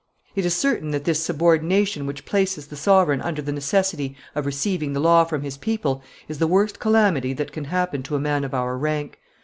It is certain that this subordination which places the sovereign under the necessity of receiving the law from his people is the worst calamity that can happen to a man of our rank.